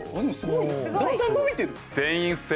だんだん伸びてる。